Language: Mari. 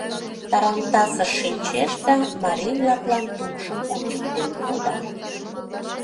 Тарантасыш шинчеш да марий-влаклан тупшым ончыктен кода.